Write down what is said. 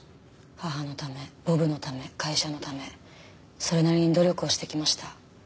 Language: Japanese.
母のためボブのため会社のためそれなりに努力をしてきました。